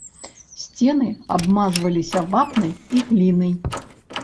Сцены абмазваліся вапнай і глінай.